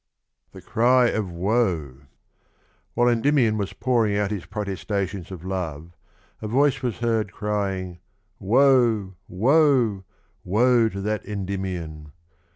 7o Tj^e^^ryof Whilc Endymioii was pouring out his protestations of love a voice was heard crying H'oel IV&ef fl'oe to thai Endym'wyi!